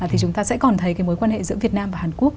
thì chúng ta sẽ còn thấy cái mối quan hệ giữa việt nam và hàn quốc